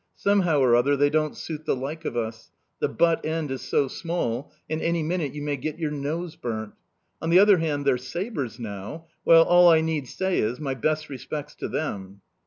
Somehow or other they don't suit the like of us: the butt end is so small, and any minute you may get your nose burnt! On the other hand, their sabres, now well, all I need say is, my best respects to them!"